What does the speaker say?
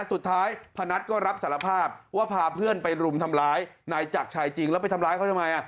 สุดท้ายพนัทก็รับสารภาพว่าพาเพื่อนไปรุมทำร้ายนายจักรชัยจริงแล้วไปทำร้ายเขาทำไม